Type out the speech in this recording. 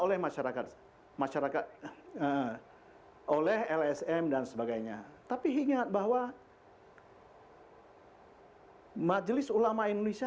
oleh masyarakat masyarakat oleh lsm dan sebagainya tapi ingat bahwa majelis ulama indonesia